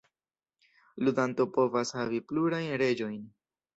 Ludanto povas havi plurajn Reĝojn.